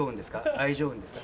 愛情運ですか？